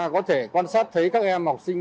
có thể quan sát thấy các em học sinh